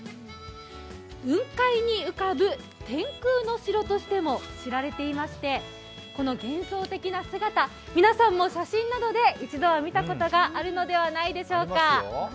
雲海に浮かぶ天空の城としても知られていまして、この幻想的な姿、皆さんも写真などで一度は見たことがあるのではないでしょうか。